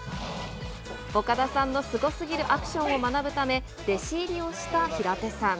岡田さんのすごすぎるアクションを学ぶため、弟子入りをした平手さん。